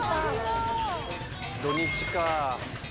土日かぁ。